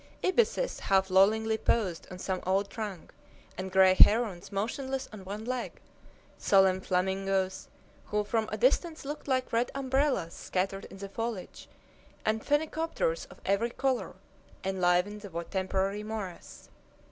Ibises half lollingly posed on some old trunk, and gray herons motionless on one leg, solemn flamingoes who from a distance looked like red umbrellas scattered in the foliage, and phenicopters of every color, enlivened the temporary morass.